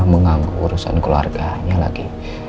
menganggur urusan keluarganya lagi